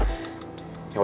tapi minta kasih tuh